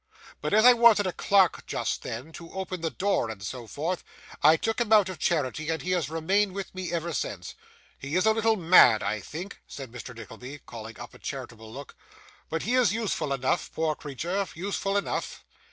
'But as I wanted a clerk just then, to open the door and so forth, I took him out of charity, and he has remained with me ever since. He is a little mad, I think,' said Mr. Nickleby, calling up a charitable look, 'but he is useful enough, poor creature useful enough.